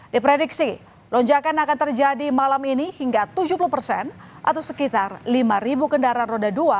diprediksi lonjakan akan terjadi malam ini hingga tujuh puluh persen atau sekitar lima kendaraan roda dua